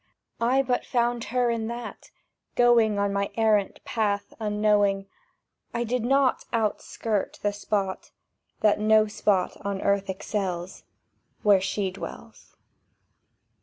I but found her in that, going On my errant path unknowing, I did not out skirt the spot That no spot on earth excels, —Where she dwells!